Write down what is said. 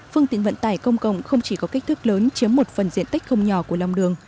phương tiện vận tải công cộng không chỉ có kích thước lớn chiếm một phần diện tích không nhỏ của lòng đường